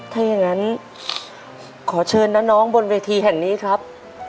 ถ้าอย่างนั้นขอเชิญนะน้องบนเวทีแห่งนี้ครับ